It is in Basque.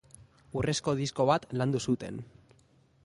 Urrezko disko bat landu zuten.